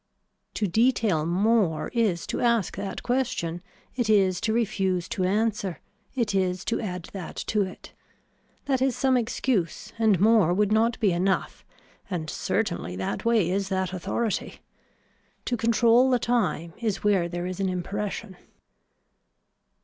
To detail more is to ask that question, it is to refuse to answer, it is to add that to it. That is some excuse and more would not be enough and certainly that way is that authority. To control the time is where there is an impression.